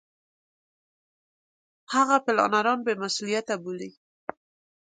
هغه پلانران بې مسولیته بولي.